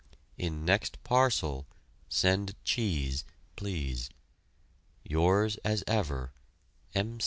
In next parcel, send cheese, please. Yours as ever M.